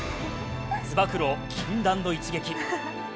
つば九郎、禁断の一撃。